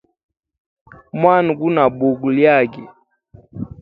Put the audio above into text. Mwana guna bugo lyage.